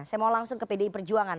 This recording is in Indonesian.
saya mau langsung ke pdi perjuangan